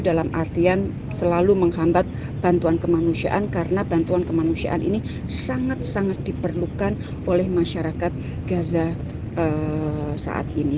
dalam artian selalu menghambat bantuan kemanusiaan karena bantuan kemanusiaan ini sangat sangat diperlukan oleh masyarakat gaza saat ini